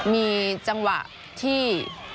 มีจังหวะที่